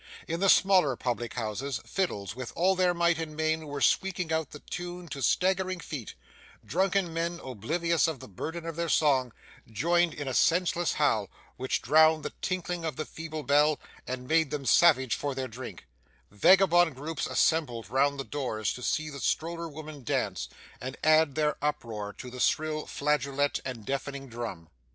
In the smaller public houses, fiddles with all their might and main were squeaking out the tune to staggering feet; drunken men, oblivious of the burden of their song, joined in a senseless howl, which drowned the tinkling of the feeble bell and made them savage for their drink; vagabond groups assembled round the doors to see the stroller woman dance, and add their uproar to the shrill flageolet and deafening drum.